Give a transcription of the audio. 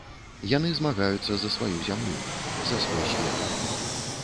Яны змагаюцца за сваю зямлю, за свой свет.